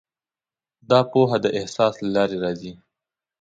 دا پوهه د احساس له لارې راځي.